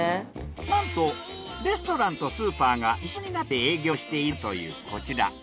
なんとレストランとスーパーが一緒になって営業しているというこちら。